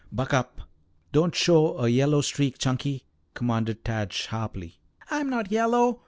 "Buck up! Don't show a yellow streak, Chunky!" commanded Tad sharply. "I'm not yellow.